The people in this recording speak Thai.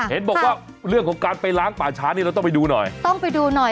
เห็นบอกว่าเรื่องของการไปล้างป่าช้านี้เราต้องไปดูหน่อย